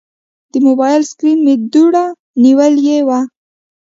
د موبایل سکرین مې دوړه نیولې وه.